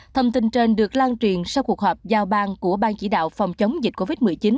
thông tin trên được lan truyền sau cuộc họp giao bang của bang chỉ đạo phòng chống dịch covid một mươi chín